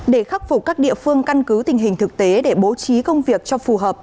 để khắc phục các địa phương căn cứ tình hình thực tế để bố trí công việc cho phù hợp